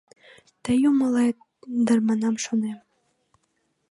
Тый умылет дыр ман шонем: